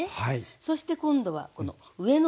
そして今度はこの上のほう。